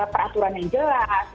peraturan yang jelas